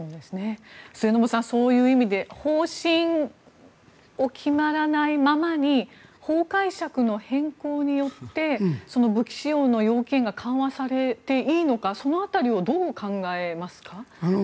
末延さん、そういう意味で方針が決まらないままに法解釈の変更によって武器使用の要件が緩和されていいのかその辺りをどう考えますか？